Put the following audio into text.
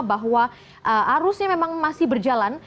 bahwa arusnya memang masih berjalan